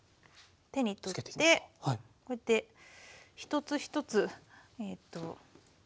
手に取ってこうやって一つ一つ順番に。